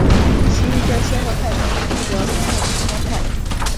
其余的谢赫派成员则分裂成三派。